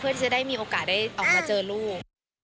ที่จะได้มีโอกาสได้ออกมาเจอลูก